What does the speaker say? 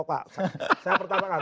saya pertama kan